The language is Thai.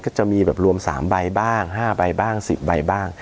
จะมีแบบรวม๓ใบบ้าง๕ใบบ้าง๑๐ใบบ้าง